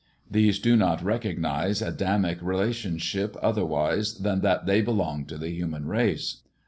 56 do not recognize Adamic relationship otherwise than they belong to the human race.